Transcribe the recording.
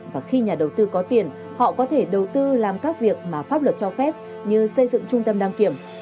và khi nhà đầu tư có tiền họ có thể đầu tư làm các việc mà pháp luật cho phép như xây dựng trung tâm đăng kiểm